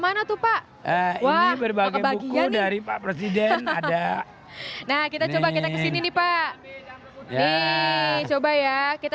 mana tuh pak wah berbagian dari pak presiden nah kita coba kita kesini nih pak coba ya kita